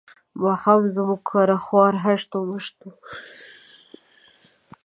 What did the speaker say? ماښام زموږ کره خوار هشت و مشت وو.